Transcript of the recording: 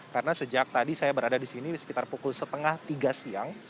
karena sejak tadi saya berada di sini sekitar pukul setengah tiga siang